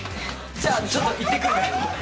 じゃちょっと行ってくるね。早く早く！